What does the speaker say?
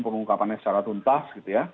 pengungkapannya secara tuntas